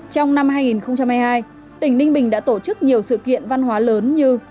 trong năm hai nghìn hai mươi hai tỉnh ninh bình đã tổ chức nhiều sự kiện văn hóa lớn như